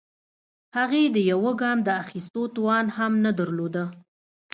هغې د يوه ګام د اخيستو توان هم نه درلوده.